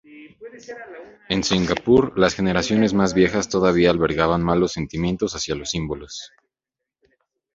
En Singapur, las generaciones más viejas todavía albergaban malos sentimientos hacia los símbolos.